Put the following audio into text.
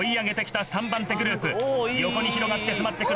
横に広がって迫って来る